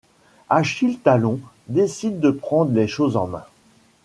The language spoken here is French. Achille Talon décide de prendre les choses en main.